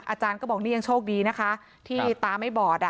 อาจารย์ก็บอกนี่ยังโชคดีนะคะที่ตาไม่บอด